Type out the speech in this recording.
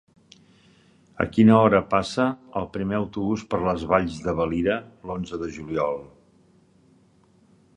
A quina hora passa el primer autobús per les Valls de Valira l'onze de juliol?